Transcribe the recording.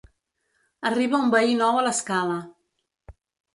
Arriba un veí nou a l’escala.